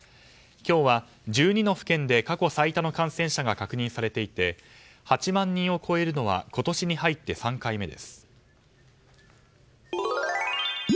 今日は１２の府県で過去最多の感染者が確認されていて８万人を超えるのは今年に入って３回目です。